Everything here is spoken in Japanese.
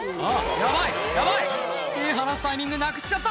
ヤバいヤバい」「手離すタイミングなくしちゃった」